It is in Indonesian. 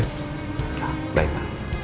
ya baik pa